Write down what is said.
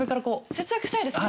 節約したいですね。